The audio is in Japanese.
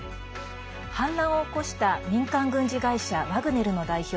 反乱を起こした民間軍事会社ワグネルの代表